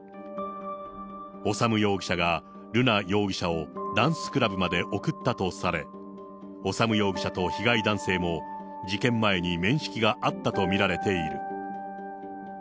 修容疑者が瑠奈容疑者をダンスクラブまで送ったとされ、修容疑者と被害男性も、事件前に面識があったと見られている。